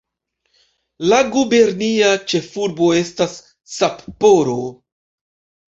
La gubernia ĉefurbo estas Sapporo.